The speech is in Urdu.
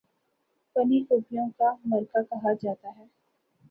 فنی خوبیوں کا مرقع کہا جاتا ہے